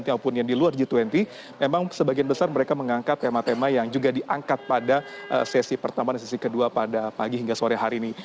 ataupun yang di luar g dua puluh memang sebagian besar mereka mengangkat tema tema yang juga diangkat pada sesi pertama dan sesi kedua pada pagi hingga sore hari ini